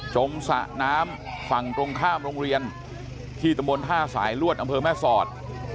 สระน้ำฝั่งตรงข้ามโรงเรียนที่ตำบลท่าสายลวดอำเภอแม่สอด